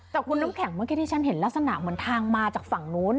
แต่คุณน้ำแข็งเมื่อกี้ที่ฉันเห็นลักษณะเหมือนทางมาจากฝั่งนู้น